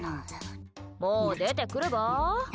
もう出てくれば？